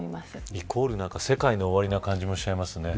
イコール世界の終わりな感じな感じがします。